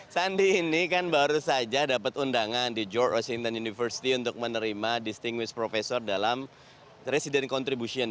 sandi ini kan baru saja dapat undangan di george washington university untuk menerima distinguist profesor dalam resident contribution